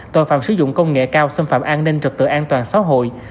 tội phạm sử dụng công nghệ cao xâm phạm an ninh trật tự an toàn xã hội